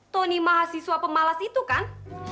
tony mahasiswa pemalas itu kan